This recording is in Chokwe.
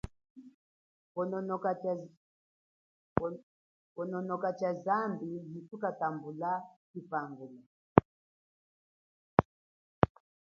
Kononoka kumilimo ya zambi mutukatambula tshipangula.